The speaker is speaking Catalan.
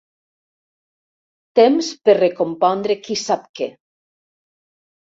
Temps per recompondre qui sap què.